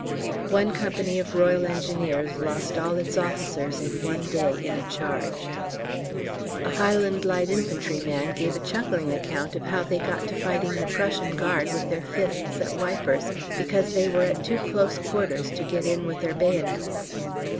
One Company of R.E. lost all its officers in one day in a charge. A H.L.I. man gave a chuckling account of how they got to fighting the Prussian Guard with their fists at Wypers because they were at too close quarters to get in with their bayonets.